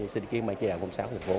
xin ký ban chỉ đạo sáu của thành phố